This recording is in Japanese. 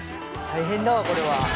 大変だわこれは。